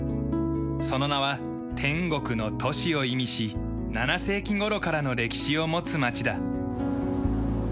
その名は「天国の都市」を意味し７世紀頃からの歴史を持つ町だ。